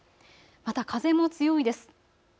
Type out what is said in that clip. また風も強いです。